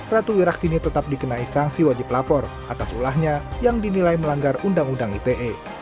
ratu wiraksini tetap dikenai sanksi wajib lapor atas ulahnya yang dinilai melanggar undang undang ite